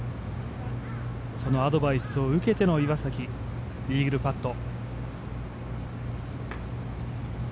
そのアドバイスを受けての岩崎イーグルパット。